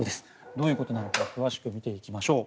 どういうことなのか詳しく見ていきましょう。